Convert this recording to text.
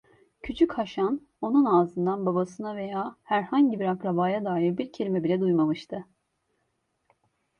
Küçük Haşan onun ağzından babasına veya herhangi bir akrabaya dair bir kelime bile duymamıştı.